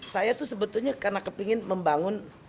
saya tuh sebetulnya karena kepingin membangun